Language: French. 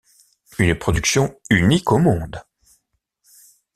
Une production unique au monde.